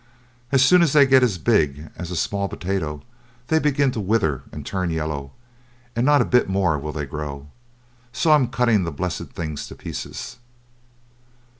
As soon as they get as big as a small potato, they begin to wither and turn yellow, and not a bit more will they grow. So I'm cutting the blessed things to pieces."